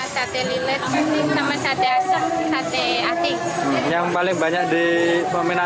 sate ini pun menjadi pilihan utama bagi para pembeli